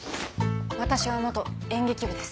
私は元演劇部です。